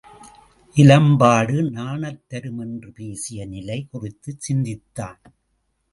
இலம்பாடு நாணுத்தரும் என்று பேசிய நிலை குறித்துச் சிந்தித்தான்.